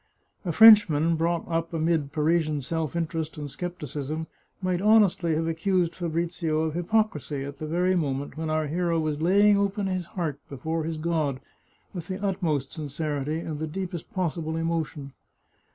A Frenchman brought up amid Parisian self interest and scepticism might hon estly have accused Fabrizio of hypocrisy at the very mo ment when our hero was laying open his heart before his God with the utmost sincerity, and the deepest possible emotion.